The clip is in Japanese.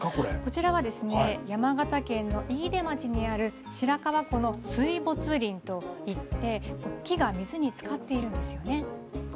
こちらはですね山形県の飯豊町にある白川湖の水没林といって木が水につかっているんですよね。